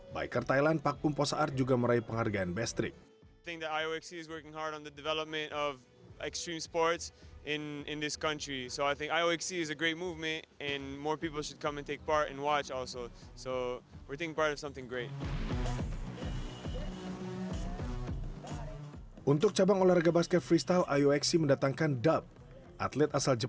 biker thailand pak pum posa art juga meraih penghargaan best trick